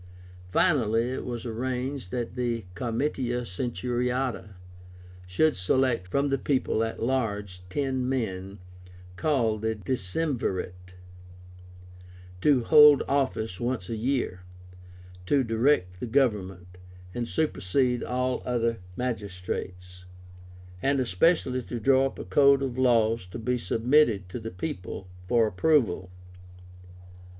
Finally it was arranged that the Comitia Centuriáta should select from the people at large ten men, called the DECEMVIRATE, to hold office for one year, to direct the government and supersede all other magistrates, and especially to draw up a code of laws to be submitted to the people for approval.